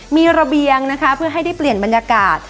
มีระเบียงนะคะเพื่อให้ได้เปลี่ยนบรรยากาศ